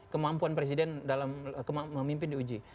kemampuan presiden dalam kemampuan pemimpin diuji